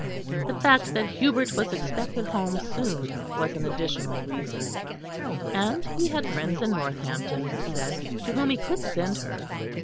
The fact that Hubert was expected home soon was an additional reason; and he had friends in Northampton, he said, to whom he could send her.